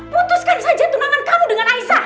putuskan saja tunangan kamu dengan aisa